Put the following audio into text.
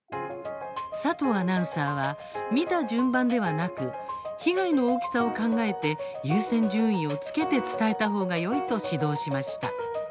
佐藤アナウンサーは見た順番ではなく被害の大きさを考えて優先順位をつけて伝えたほうがよいと指導しました。